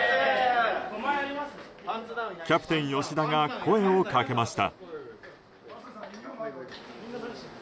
キャプテン、吉田が声を掛けました。